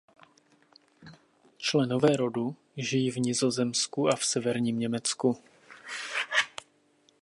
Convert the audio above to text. Členové rodu žijí v Nizozemsku a v severním Německu.